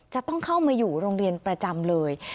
จะต้องเข้ามาอยู่โรงเรียนประจำเลย